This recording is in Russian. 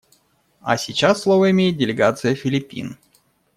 А сейчас слово имеет делегация Филиппин.